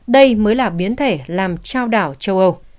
đây mới là biến thể làm trao đảo châu âu